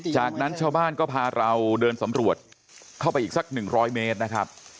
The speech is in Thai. จากนั้นชาวบ้านก็พาเราเดินสำรวจเข้าไปอีกสัก๑๐๐เมตรนะครับ